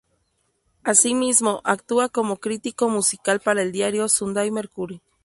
Asimismo, actúa como crítico musical para el diario "Sunday Mercury".